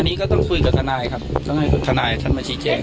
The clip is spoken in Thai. อันนี้ก็ต้องคุยกับทนายครับต้องให้ทนายท่านมาชี้แจง